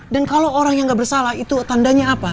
dan kalo orang yang gak bersalah itu tandanya apa